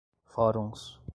fóruns